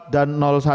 dua dan satu